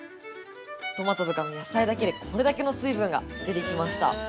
トマトとかの野菜だけで、これだけの水分が出てきました。